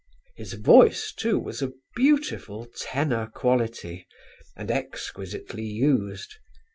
His voice, too, was of beautiful tenor quality, and exquisitely used.